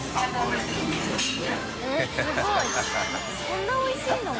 そんなおいしいの？